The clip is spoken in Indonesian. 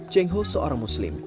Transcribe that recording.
tionghoa seorang muslim